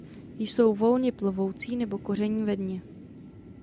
Jsou volně plovoucí nebo koření ve dně.